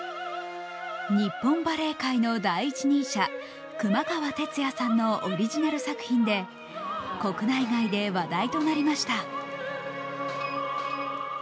日本バレエ界の第一人者熊川哲也さんのオリジナル作品で国内外で話題となりました。